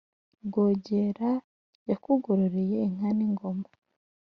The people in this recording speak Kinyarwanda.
rwogera yakugororeye inka n'ingoma,